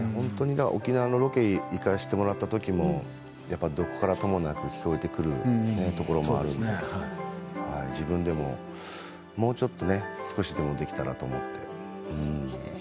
沖縄ロケに行かせてもらったときもどこからともなく聞こえてくるところもあるので自分でももうちょっと少しでもできたらと思って。